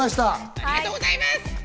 ありがとうございます。